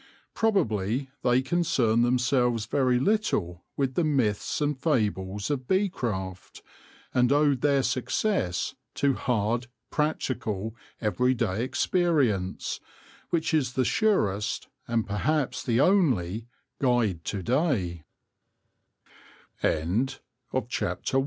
Probably they concerned themselves very little with the myths and fables of bee craft, and owed their success to hard, practical, everyday experience, which is the surest, and perhaps the only, guide to